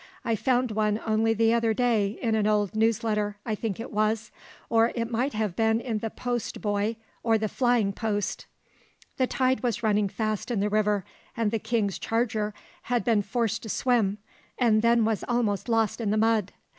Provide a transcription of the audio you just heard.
I found one only the other day in an old `News letter,' I think it was, or it might have been in the `post boy,' or the `Flying Post' The tide was running fast in the river, and the king's charger had been forced to swim, and then was almost lost in the mud.